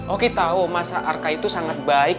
oki tahu masa arka itu sangat baik